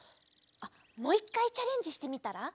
あっもう１かいチャレンジしてみたら？